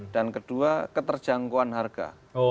dan kedua keterjangkauan harga